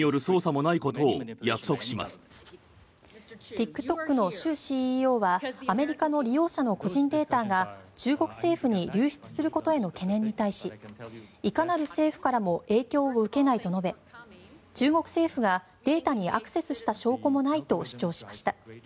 ＴｉｋＴｏｋのシュウＣＥＯはアメリカの利用者の個人データが中国政府に流出することへの懸念に対しいかなる政府からも影響を受けないと述べ中国政府がデータにアクセスした証拠もないと主張しました。